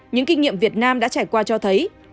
những kinh nghiệm việt nam đã trải qua cho thấy